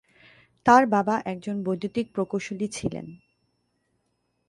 তাঁর বাবা একজন বৈদ্যুতিক প্রকৌশলী ছিলেন।